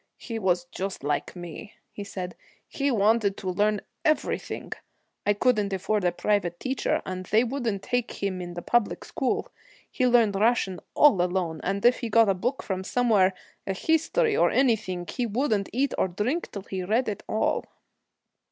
'He was just like me,' he said. 'He wanted to learn everything. I couldn't afford a private teacher, and they wouldn't take him in the public school. He learned Russian all alone, and if he got a book from somewhere a history or anything he wouldn't eat or drink till he read it all.'